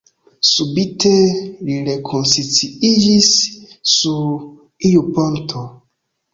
Subite li rekonsciiĝis sur iu ponto.